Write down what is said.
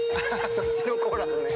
そっちのコーラスね。